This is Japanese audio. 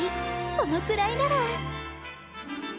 そのくらいなら。